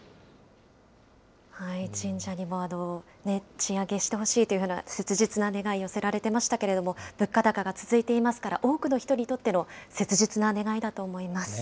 神社にも賃上げしてほしいというような、切実な願い、寄せられていましたけれども、物価高が続いていますから、多くの人にとっての切実な願いだと思います。